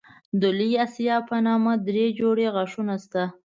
د لوی آسیاب په نامه دری جوړې غاښونه شته.